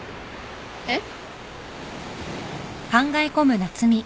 えっ？